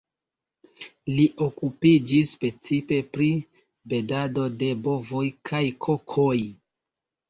Li okupiĝis precipe pri bredado de bovoj kaj kokoj.